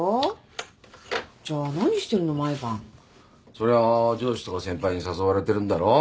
そりゃ上司とか先輩に誘われてるんだろ。